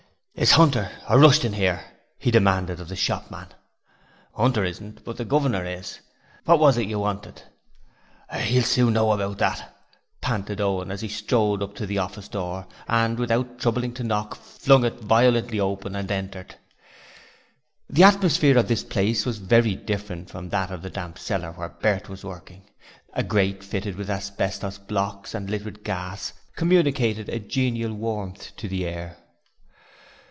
'Is Hunter or Rushton here?' he demanded of the shopman. 'Hunter isn't, but the guv'nor is. What was it you wanted?' 'He'll soon know that,' panted Owen as he strode up to the office door, and without troubling to knock, flung it violently open and entered. The atmosphere of this place was very different from that of the damp cellar where Bert was working. A grate fitted with asbestos blocks and lit with gas communicated a genial warmth to the air.